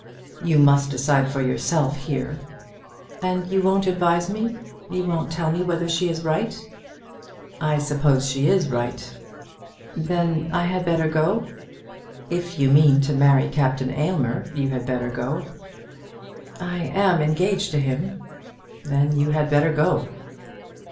"You must decide for yourself here." "And you won't advise me. You won't tell me whether she is right?" "I suppose she is right." "Then I had better go?" "If you mean to marry Captain Aylmer, you had better go." "I am engaged to him." "Then you had better go."